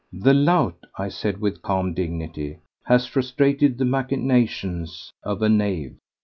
"The lout," I said with calm dignity, "has frustrated the machinations of a knave.